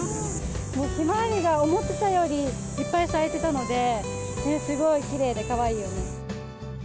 ひまわりが思ってたよりいっぱい咲いてたので、すごいきれいで、かわいいよね。